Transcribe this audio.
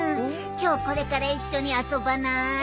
今日これから一緒に遊ばない？